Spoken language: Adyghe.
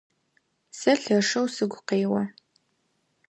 Сэ лъэшэу сыгу къео.